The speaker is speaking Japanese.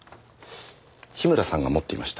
樋村さんが持っていました。